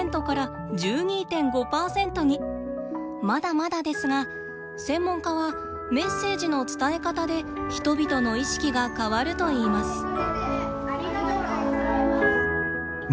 まだまだですが専門家はメッセージの伝え方で人々の意識が変わるといいます。